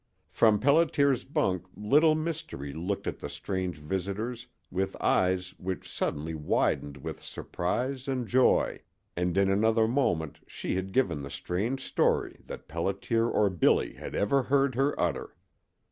From Pelliter's bunk Little Mystery looked at the strange visitors with eyes which suddenly widened with surprise and joy, and in another moment she had given the strange story that Pelliter or Billy had ever heard her utter.